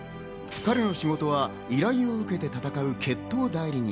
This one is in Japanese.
彼の仕事は依頼を受けて戦う決闘代理人。